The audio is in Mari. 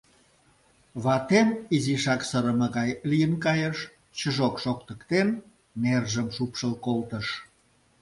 Ватем изишак сырыме гай лийын кайыш: чжок шоктыктен, нержым шупшыл колтыш.